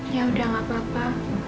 ya udah gak apa apa